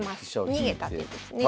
逃げた手ですね。